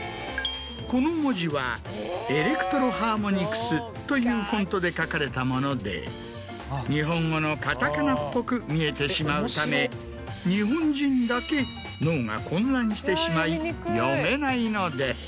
この文字はエレクトロハーモニクスというフォントで書かれたもので日本語のカタカナっぽく見えてしまうため日本人だけ脳が混乱してしまい読めないのです。